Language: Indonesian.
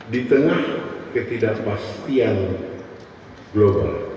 di tengah ketidakpastian global